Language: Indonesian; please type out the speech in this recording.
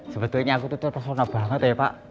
sebetulnya aku tuh terpesona banget ya pak